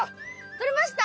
とれました？